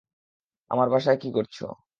আমার বাসায় কি করছ?